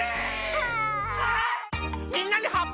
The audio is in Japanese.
はい！